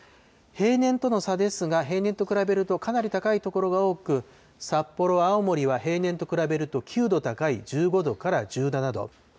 平年との差ですが、平年と比べるとかなり高い所が多く、札幌、青森は平年と比べると９度高い１５度から１７度。